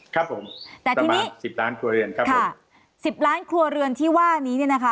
ครับผมแต่ทีนี้สิบล้านครัวเรือนครับผมสิบล้านครัวเรือนที่ว่านี้เนี่ยนะคะ